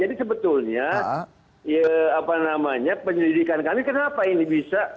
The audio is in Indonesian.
jadi sebetulnya penyelidikan kami kenapa ini bisa